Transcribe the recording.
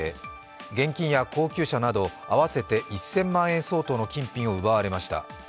現金や高級車など合わせて１０００万円相当の金品を奪われました。